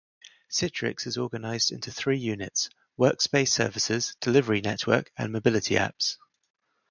Citrix is organized into three units: Workspace Services, Delivery Network, and Mobility Apps.